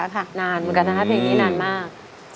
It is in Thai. นานเหมือนกันนะคะเพลงนี้นานมาก